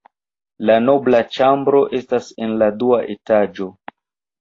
La nobla ĉambro estas en la dua etaĝo.